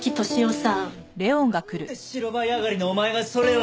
なんで白バイ上がりのお前がそれを？